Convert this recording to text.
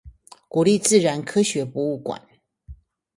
國立自然科學博物館